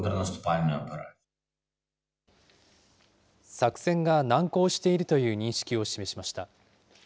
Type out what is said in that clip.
作戦が難航しているという認識を示しました。